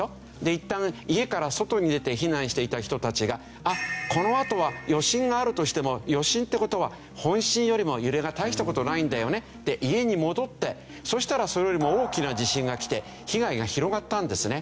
いったん家から外に出て避難していた人たちがこのあとは余震があるとしても余震って事は本震よりも揺れが大した事ないんだよねって家に戻ってそしたらそれよりも大きな地震がきて被害が広がったんですね。